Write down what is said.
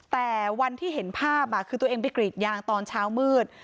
แต่วันที่เห็นภาพคือตัวเองไปกรีดยางตอนเช้ามืด